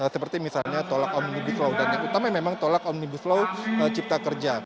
seperti misalnya tolak omnibus law dan yang utama memang tolak omnibus law cipta kerja